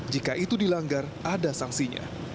jika itu dilanggar ada sanksinya